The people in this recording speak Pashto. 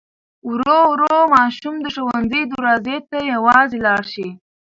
ورو ورو ماشوم د ښوونځي دروازې ته یوازې لاړ شي.